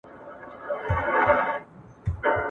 لا به در اوري د غضب غشي ..